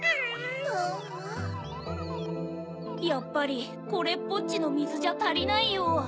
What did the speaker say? やっぱりこれっぽっちのみずじゃたりないよ。